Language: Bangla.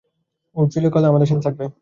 ওরা চিরকাল আমাদের সাথে থাকবে।